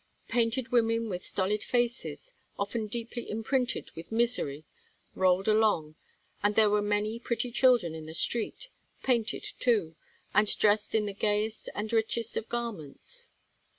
Painted women with stolid faces, often deeply imprinted with misery, rolled along, and there were many pretty children in the street, painted too, and dressed in the gayest and richest of garments.